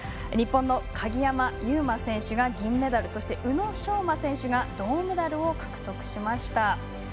日本の鍵山優真選手が銀メダルそして宇野昌磨選手が銅メダルを獲得しました。